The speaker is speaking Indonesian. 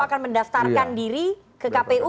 akan mendaftarkan diri ke kpu